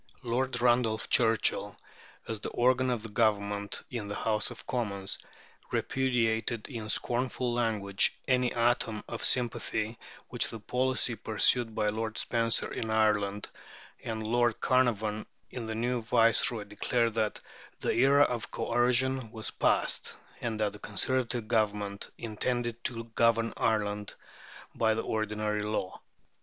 Lord Randolph Churchill, as the organ of the Government in the House of Commons, repudiated in scornful language any atom of sympathy with the policy pursued by Lord Spencer in Ireland; and Lord Carnarvon, the new Viceroy, declared that "the era of coercion" was past, and that the Conservative Government intended to govern Ireland by the ordinary law.